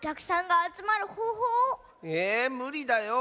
えむりだよ。